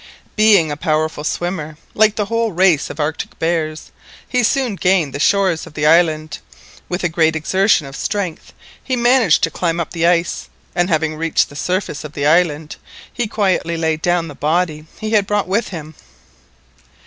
Being a powerful swimmer, like the whole race of Arctic bears, he soon gained the shores of the island. With a great exertion of strength he managed to climb up the ice, and having reached the surface of the island he quietly laid down the body he had brought with him.